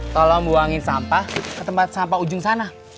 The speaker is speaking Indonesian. tolong buangin sampah ke tempat sampah ujung sana